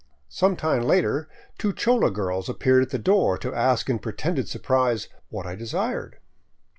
Some time later two chola girls appeared at the door to ask in pre tended surprise what I desired.